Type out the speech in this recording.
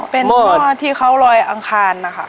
เป็นพ่อที่เขาลอยอังคารนะคะ